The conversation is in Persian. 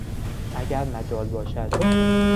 اگر مجال باشد